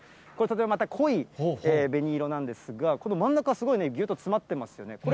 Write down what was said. これ、またとても濃い紅色なんですが、この真ん中、すごいぎゅっと詰まってますよね。